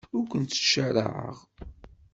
Ur kent-ttcaṛaɛeɣ.